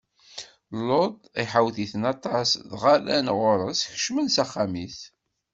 Luṭ iḥawet-iten aṭas, dɣa rran ɣur-s, kecmen s axxam-is.